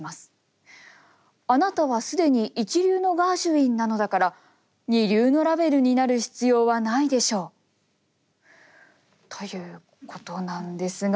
「あなたは既に一流のガーシュウィンなのだから二流のラヴェルになる必要はないでしょう」。ということなんですが。